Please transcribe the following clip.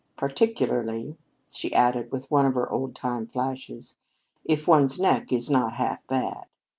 Particularly," she added, with one of her old time flashes, "if one's neck is not half bad.